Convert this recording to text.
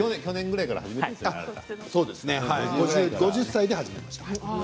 ５０歳で始めました。